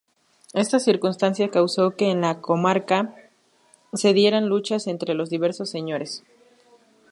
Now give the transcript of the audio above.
Esta circunstancia causó que en la comarca se dieran luchas entre los diversos señores.